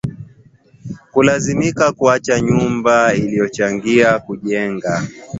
Kulazimika kuacha nyumba aliyochangia kujenga